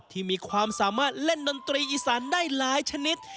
ที่มีความสามารถเล่นดนตรีอีสานได้หลายชนิด